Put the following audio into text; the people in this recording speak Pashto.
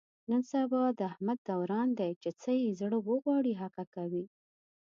نن سبا د احمد دوران دی، چې څه یې زړه و غواړي هغه کوي.